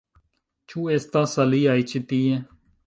Ĉu estas aliaj ĉi tie?